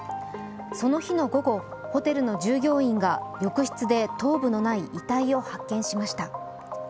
その日の午後、ホテルの従業員が浴室で頭部のない遺体を発見しました。